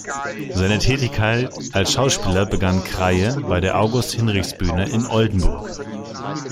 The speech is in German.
Seine Tätigkeit als Schauspieler begann Kreye bei der August-Hinrichs-Bühne in Oldenburg.